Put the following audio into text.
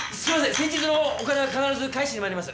先日のお金は必ず返しにまいります。